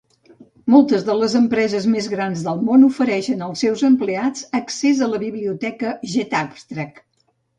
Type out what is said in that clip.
Moltes de les empreses més grans del món ofereixen als seus empleats accés a la biblioteca getAbstract.